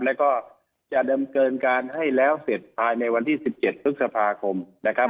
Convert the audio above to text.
แล้วก็จะดำเนินการให้แล้วเสร็จภายในวันที่๑๗พฤษภาคมนะครับ